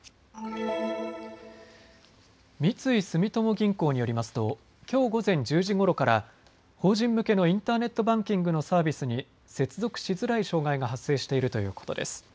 三井住友銀行によりますときょう午前１０時ごろから法人向けのインターネットバンキングのサービスに接続しづらい障害が発生しているということです。